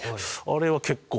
あれは結構。